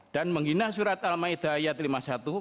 dan menghina surat al ma'idah lima puluh satu